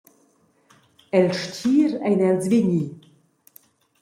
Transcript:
El stgir ein els vegni.